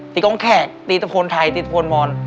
กองแขกตีตะโพนไทยตีตะโพนมอน